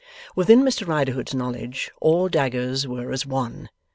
Within Mr Riderhood's knowledge all daggers were as one.